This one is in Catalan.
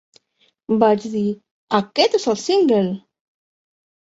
Vaig dir, ¡aquest és el single!